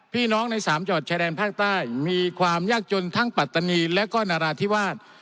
พี่น้องในสามจอดแชร์แดนภาคใต้มีความยากจนทั้งปัตตานีและก็นาราธิวาส